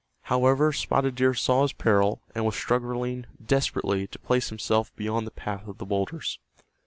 However, Spotted Deer saw his peril, and was struggling desperately to place himself beyond the path of the boulders.